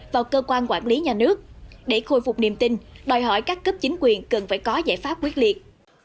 vào cơ quan quản lý nhà nước để khôi phục niềm tin đòi hỏi các cấp chính quyền cần phải có giải pháp quyết liệt